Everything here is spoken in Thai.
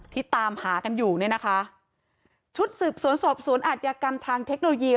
ตามหากันอยู่เนี่ยนะคะชุดสืบสวนสอบสวนอาทยากรรมทางเทคโนโลยี